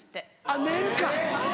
あっ念か。